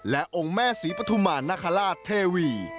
และองค์แม่ศรีปฐุมารนคราชเทวี